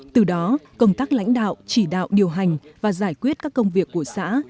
từ đó công tác lãnh đạo chỉ đạo điều hành và giải quyết các công việc của xã